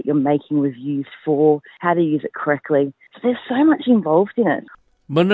luke russell adalah kustodian